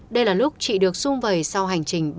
đây là lúc chị được sung vầy sau hành trình ba